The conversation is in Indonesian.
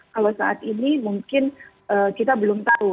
kalau saat ini mungkin kita belum tahu